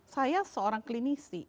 saya seorang klinisi